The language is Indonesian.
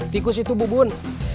tikus itu bubun